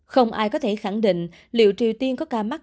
không ai có thể khẳng định liệu triều tiên có ca mắc